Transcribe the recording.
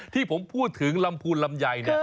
ที่ผมพูดถึงลำพูนลำไย